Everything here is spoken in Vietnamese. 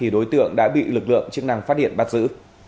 đối tượng đã bị lực lượng chức năng phát hiện bắt giữ